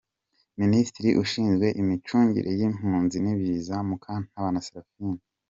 Minisitiri Ushinzwe Imicungire y’Impunzi n’Ibiza : Mukantabana Seraphine